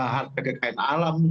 harta kekayaan alam